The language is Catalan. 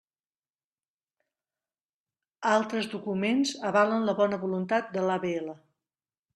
Altres documents avalen la bona voluntat de l'AVL.